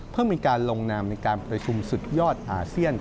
เพื่อมีการลงนามในการประชุมสุดยอดอาเซียน